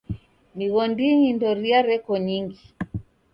Mighondinyi ndoria reko nyingi.